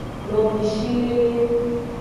Novishilele.